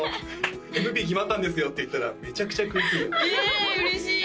「ＭＰ決まったんですよ」って言ったらめちゃくちゃ食いついてえ嬉しい